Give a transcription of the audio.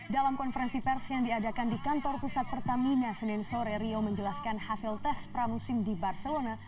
dalam konferensi pers yang diadakan di kantor pusat pertamina senin sore rio menjelaskan hasil tes pramusim di barcelona